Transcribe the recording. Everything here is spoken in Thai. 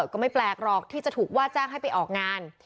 ก็ไม่แปลกหรอกที่จะถูกว่าจ้างให้ไปออกงาน